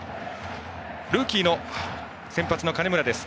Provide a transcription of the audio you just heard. ルーキーの先発の金村です。